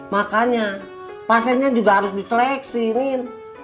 makanya pasennya juga harus diseleksi nin